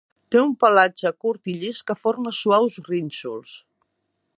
Té un pelatge curt i llis que forma suaus rínxols.